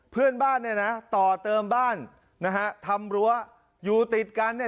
เพื่อนบ้านเนี่ยนะต่อเติมบ้านนะฮะทำรั้วอยู่ติดกันเนี่ย